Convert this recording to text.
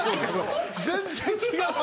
全然違う話。